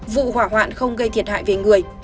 vụ hỏa hoạn không gây thiệt hại về người